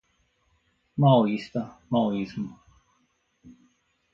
Maoísta, maoísmo